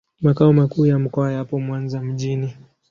Makao makuu ya mkoa yapo Mwanza mjini.